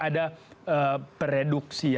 ada upaya untuk menyimpangkan maksudnya